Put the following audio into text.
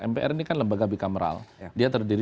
mpr ini kan lembaga bikameral dia terdiri